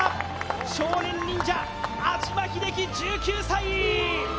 少年忍者安嶋秀生１９歳！